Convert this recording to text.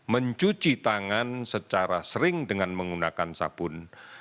mencuci tangan secara sering dengan menggunakan sabun